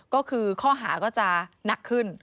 ก็คือข้อหาก็จะหนักขึ้น